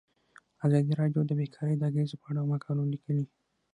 ازادي راډیو د بیکاري د اغیزو په اړه مقالو لیکلي.